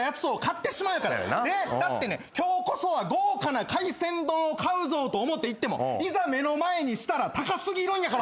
だって今日こそは豪華な海鮮丼買うぞと思って行ってもいざ目の前にしたら高過ぎるんやから。